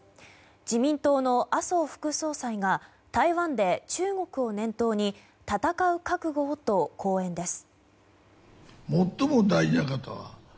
自民党の麻生副総裁が台湾で中国を念頭に戦う覚悟をと講演です。